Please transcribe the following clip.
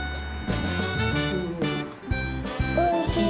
おいしい。